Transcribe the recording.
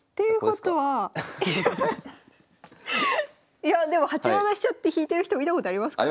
いやでも８七飛車って引いてる人見たことありますからね。